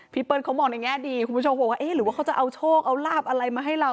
เปิ้ลเขามองในแง่ดีคุณผู้ชมบอกว่าเอ๊ะหรือว่าเขาจะเอาโชคเอาลาบอะไรมาให้เรา